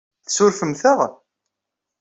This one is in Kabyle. Tsurfemt-aɣ?